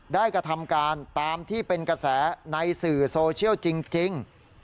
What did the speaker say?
กระทำการตามที่เป็นกระแสในสื่อโซเชียลจริง